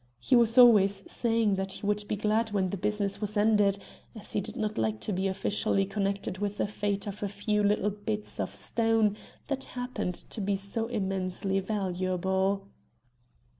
He was always saying that he would be glad when the business was ended, as he did not like to be officially connected with the fate of a few little bits of stone that happened to be so immensely valuable."